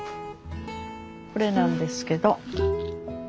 これなんですけど。